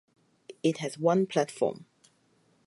It has One platform.